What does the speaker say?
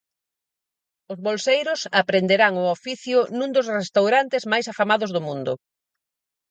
Os bolseiros aprenderán o oficio nun dos restaurantes máis afamados do mundo.